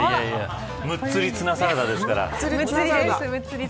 ムッツリツナサラダですから。